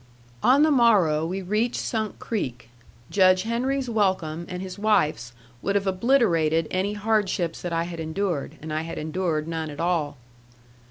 On the morrow we reached Sunk Creek. Judge Henry's welcome and his wife's would have obliterated any hardships that I had endured, and I had endured none at all.